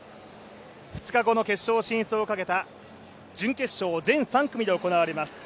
２日後の決勝進出をかけた準決勝全３組で行われます。